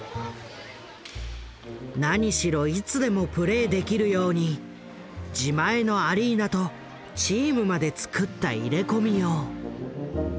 なにしろいつでもプレーできるように自前のアリーナとチームまでつくった入れ込みよう。